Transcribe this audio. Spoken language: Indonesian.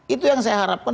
itu yang saya harapkan